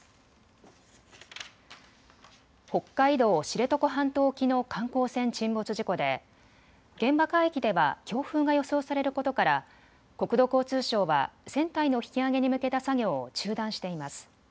北海道・知床半島沖の観光船沈没事故で現場海域では強風が予想されることから国土交通省は船体の引き揚げに向けた作業を中断しています。